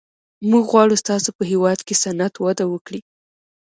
موږ غواړو ستاسو په هېواد کې صنعت وده وکړي